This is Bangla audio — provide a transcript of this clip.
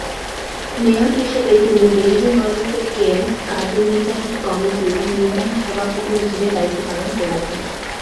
মেয়র হিসেবে তিনি বেইজিং অলিম্পিক গেমস কার্যনির্বাহী কমিটির নির্বাহী সভাপতি হিসেবে দায়িত্ব পালন করেছেন।